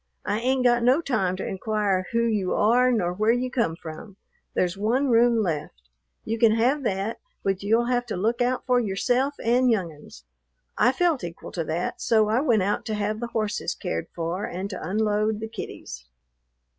I ain't got no time to inquire who you are nor where you come from. There's one room left. You can have that, but you'll have to look out for yourself and young 'uns." I felt equal to that; so I went out to have the horses cared for and to unload the kiddies.